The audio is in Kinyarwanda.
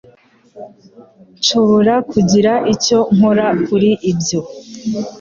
Nshobora kugira icyo nkora kuri ibyo.